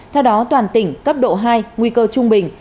theo đó toàn tỉnh cấp độ hai nguy cơ trung bình